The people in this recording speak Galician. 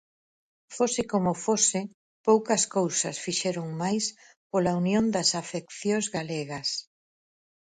Fose como fose, poucas cousas fixeron máis pola unión das afeccións galegas.